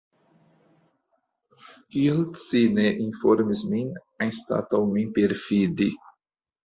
Kial ci ne informis min, anstataŭ min perfidi?